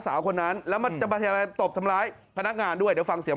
พี่ก่อนนั้นเราไม่ได้ต่อว่าอะไรกันใช่ไหม